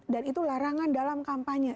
dan itu larangan dalam kampanye